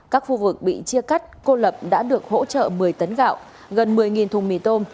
các khu vực bị chia cắt cô lập đã được hỗ trợ một mươi tấn gạo gần một mươi thùng mì tôm